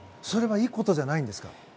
それはいいことじゃないんですか？